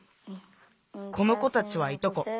この子たちはいとこ。